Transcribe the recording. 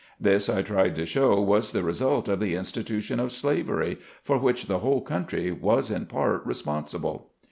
This I tried to show was the result of the institution of slavery, for which the whole country was in part responsible.